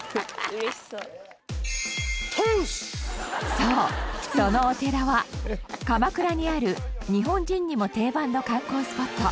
そうそのお寺は鎌倉にある日本人にも定番の観光スポット。